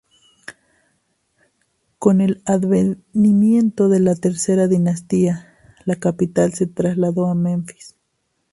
Con el advenimiento de la tercera dinastía, la capital se trasladó a Menfis.